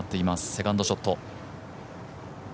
セカンドショット。